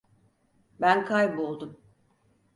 Ben kayboldum.